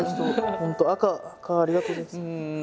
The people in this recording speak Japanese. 本当赤ありがとうございます。